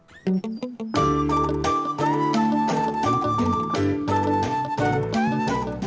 kamu lihat yang dua